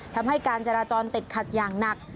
ทำให้การจราจรติดขัดอย่างหนัก